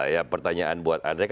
ya pertanyaan buat andre